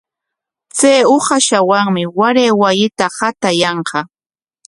Chay uqashawanmi waray wasita qatayanqa.